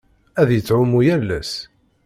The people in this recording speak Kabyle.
Ad yettɛumu yal ass.